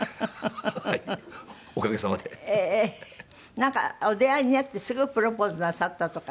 なんかお出会いになってすぐプロポーズなさったとか。